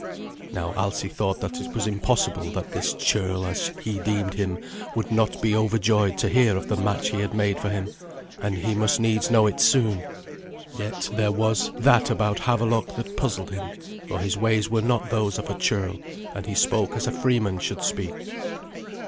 Now Alsi thought that it was impossible that this churl, as he deemed him, would not be overjoyed to hear of the match he had made for him, and he must needs know it soon. Yet there was that about Havelok that puzzled him, for his ways were not those of a churl, and he spoke as a freeman should speak.